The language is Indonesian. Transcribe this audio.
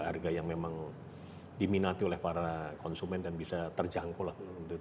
harga yang memang diminati oleh para konsumen dan bisa terjangkau lah